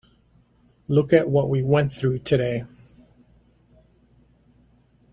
Look at what we went through today.